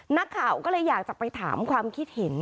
นักข่าวก็เลยอยากจะไปถามความคิดเห็น